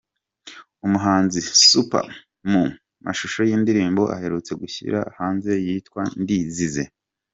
Umuhanzi Superb mu mashusho y'indirimbo aherutse gushyira hanze yitwa "Ndizize".